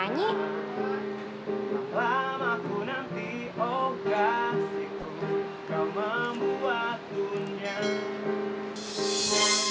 selama aku nanti oh kasihku kau membuat cinta